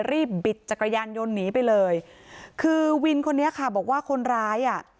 บิดจักรยานยนต์หนีไปเลยคือวินคนนี้ค่ะบอกว่าคนร้ายอ่ะ